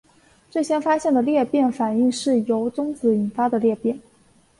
最先发现的裂变反应是由中子引发的裂变。